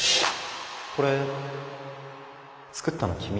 これ作ったの君？